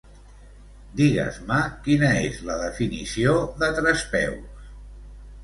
Digues-me quina és la definició de trespeus.